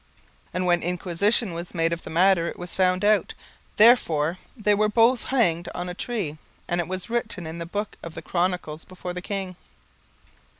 17:002:023 And when inquisition was made of the matter, it was found out; therefore they were both hanged on a tree: and it was written in the book of the chronicles before the king.